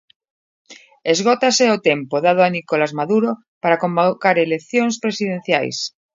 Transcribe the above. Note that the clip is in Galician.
Esgótase o tempo dado a Nicolás Maduro para convocar eleccións presidencias.